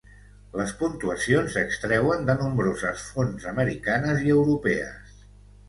Les puntuacions s'extreuen de nombroses fonts americanes i europees.